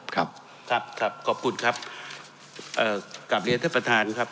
ครับครับขอบคุณครับเอ่อกลับเรียนท่านประธานครับ